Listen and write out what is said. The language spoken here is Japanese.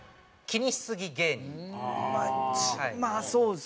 まあまあそうですね。